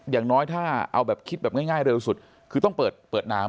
อย่างน้อยถ้าเอาแบบคิดแบบง่ายเร็วสุดคือต้องเปิดน้ำ